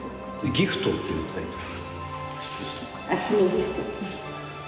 「ギフト」っていうタイトル。